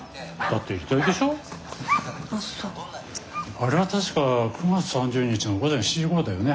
あれは確か９月３０日の午前７時ごろだよね？